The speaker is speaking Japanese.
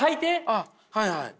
あっはいはい。